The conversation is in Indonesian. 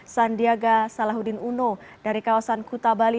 sandiaga salahuddin uno dari kawasan kuta bali